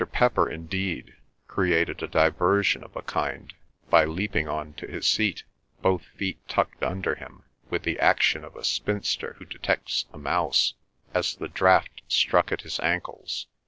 Pepper, indeed, created a diversion of a kind by leaping on to his seat, both feet tucked under him, with the action of a spinster who detects a mouse, as the draught struck at his ankles.